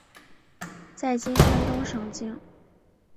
在今山东省境。